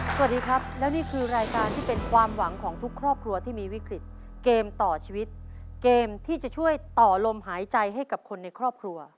สวัสดีครับและนี่คือรายการที่เป็นความหวังของทุกครอบครัวที่มีวิกฤตเกมต่อชีวิตเกมที่จะช่วยต่อลมหายใจให้กับคนในครอบครัว